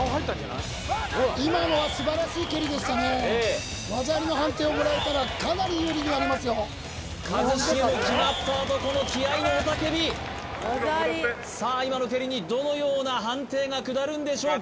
今のは素晴らしい蹴りでしたね技ありの判定をもらえたらかなり有利になりますよ一茂も決まったあとこの気合の雄たけび白戻ってさあ今の蹴りにどのような判定が下るんでしょうか？